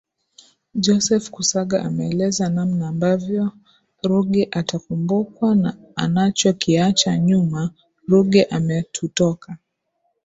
Joseph Kusaga ameeleza namna ambavyo Ruge atakumbukwa na anachokiacha nyuma Ruge ametutoka